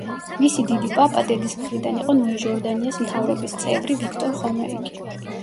მისი დიდი პაპა დედის მხრიდან იყო ნოე ჟორდანიას მთავრობის წევრი, ვიქტორ ხომერიკი.